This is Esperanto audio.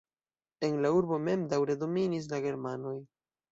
En la urbo mem daŭre dominis la germanoj.